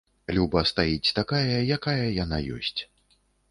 Люба стаіць такая, якая яна ёсць.